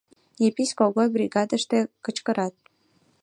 — Епись Когой бригадыште кычкырат.